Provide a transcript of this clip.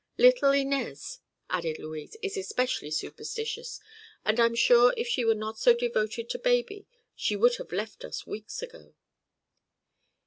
Little Inez," added Louise, "is especially superstitious, and I'm sure if she were not so devoted to baby she would have left us weeks ago."